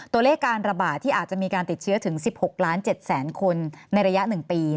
ตัวเลขการระบาดที่อาจจะมีการติดเชื้อถึง๑๖ล้าน๗แสนคนในระยะ๑ปี